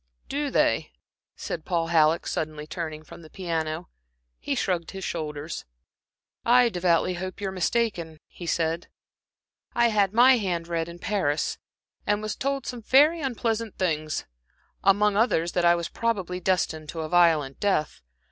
"Do they?" said Paul Halleck, suddenly turning from the piano. He shrugged his shoulders. "I devoutly hope you are mistaken," he said. " read my hand in Paris, and told me some very unpleasant things; among others that I was probably destined to a violent death.